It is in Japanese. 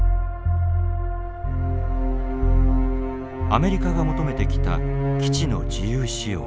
アメリカが求めてきた基地の自由使用。